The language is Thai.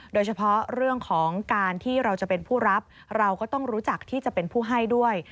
โดยเฉพาะเรื่องของการที่เราจะเป็นผู้รับเราก็ต้องรู้จักที่จะเป็นผู้ให้ด้วย